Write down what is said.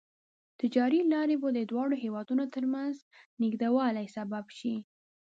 تجارتي لارې به د دواړو هېوادونو ترمنځ د نږدیوالي سبب شي.